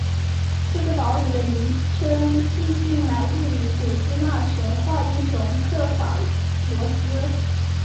这个岛屿的名称据信来自于古希腊神话英雄刻法罗斯。